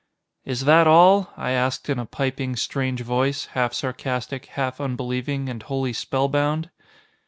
"Is that all?" I asked in a piping, strange voice, half sarcastic, half unbelieving, and wholly spellbound.